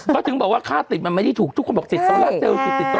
ก็ถึงบอกว่าค่าติดมันไม่ได้ถูกทุกคนบอกติดต่อแล้วเต็มติดต่อแล้ว